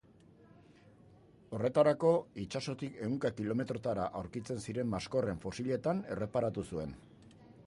Horretarako, itsasotik ehunka kilometrotara aurkitzen ziren maskorren fosiletan erreparatu zuen.